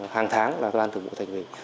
hàng tháng là đoàn thượng bộ thành ủy